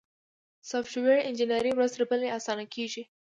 سافټویر انجینري ورځ تر بلې اسانه کیږي.